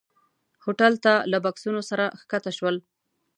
هوټل ته له بکسونو سره ښکته شول.